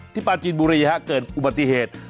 ปลาจีนบุรีเกิดอุบัติเหตุ